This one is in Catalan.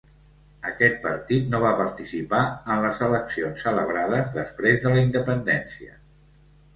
Aquest partit no va participar en les eleccions celebrades després de la independència.